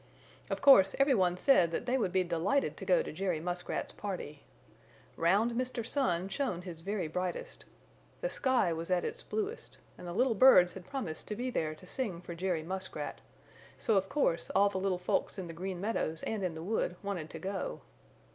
Of course every one said that they would be delighted to go to Jerry Muskrat's party. Round Mr. Sun shone his very brightest. The sky was its bluest and the little birds had promised to be there to sing for Jerry Muskrat, so of course all the little folks in the Green Meadows and in the wood wanted to go.